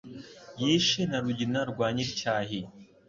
Yishe na Rugina rwa nyir'icyahi.